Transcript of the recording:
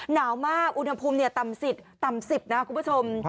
หนาวมากอุณหภูมิต่ำสิบนะคุณผู้ชม